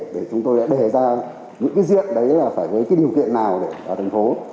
để chúng tôi đã đề ra những cái diện đấy là phải với cái điều kiện nào để vào thành phố